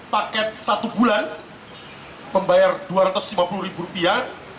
paket satu bulan membayar dua ratus lima puluh ribu rupiah